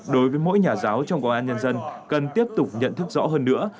đối với mỗi nhà giáo trong công an nhân dân cần tiếp tục nhận thức rõ hơn nữa